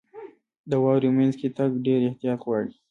• د واورې مینځ کې تګ ډېر احتیاط غواړي.